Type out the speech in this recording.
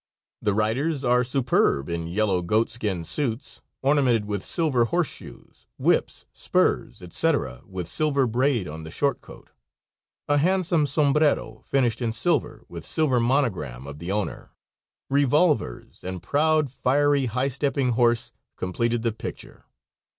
The riders are superb in yellow goatskin suits, ornamented with silver horse shoes, whips, spurs, etc., with silver braid on the short coat. A handsome sombrero, finished in silver, with silver monogram of the owner, revolvers, and proud, fiery, high stepping horse completed the picture.